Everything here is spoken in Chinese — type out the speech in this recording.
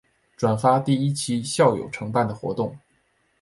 转发第一期校友承办的活动